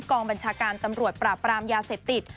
กองบัญชาการตำรวจปราบปรามยาเสพติด